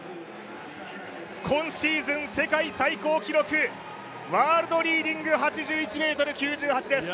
今シーズン世界最高記録、ワールドリーディング、８１ｍ９８です。